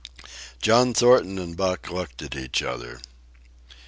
John Thornton and Buck looked at each other.